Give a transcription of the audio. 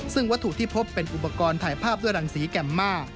ซึ่งวัตถุที่พบเป็นอุปกรณ์ถ่ายภาพด้วยรังสีแก่ม่า